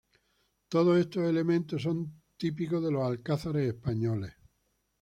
Todos estos elementos son típicos de los alcázares españoles.